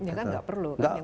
ya kan gak perlu